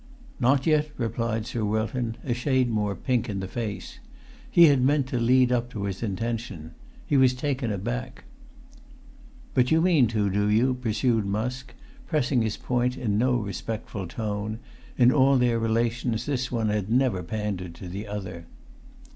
"Not yet," replied Sir Wilton, a shade more pink in the face. He had meant to lead up to his intention. He was taken aback. "But you mean to, do you?" pursued Musk, pressing his point in no respectful tone: in all their relations this one had never pandered to the other.